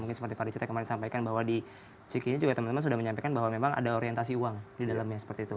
mungkin seperti pak dicita kemarin sampaikan bahwa di cikini juga teman teman sudah menyampaikan bahwa memang ada orientasi uang di dalamnya seperti itu